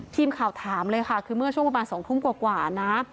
ทีมข่าวถามเลยค่ะคือเมื่อช่วงประมาณ๒ทุ่มกว่านะ